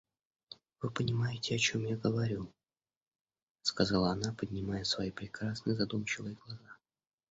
Вы понимаете, о чем я говорю, — сказала она, поднимая свои прекрасные задумчивые глаза.